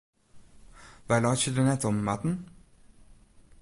Wy laitsje der net om, Marten.